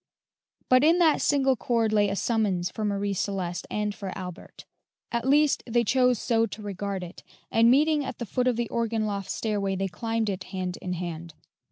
But in that single chord lay a summons for Marie Celeste and for Albert; at least, they chose so to regard it, and meeting at the foot of the organ loft stairway, they climbed it hand in hand.